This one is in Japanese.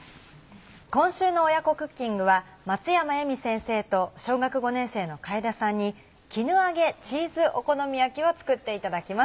今週の親子クッキングは松山絵美先生と小学５年生の楓さんに「絹揚げチーズお好み焼き」を作っていただきます。